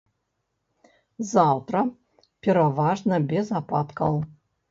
Заўтра пераважна без ападкаў.